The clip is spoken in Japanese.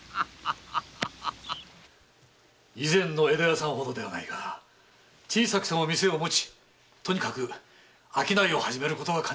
前の江戸屋さんほどではないが小さくても店を持ちとにかく商いを始めることが肝心でしょう。